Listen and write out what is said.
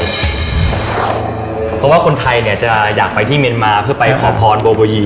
เพราะว่าคนไทยเนี่ยจะอยากไปที่เมียนมาเพื่อไปขอพรโบโบยี